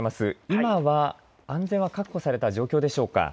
今は安全は確保された状況でしょうか。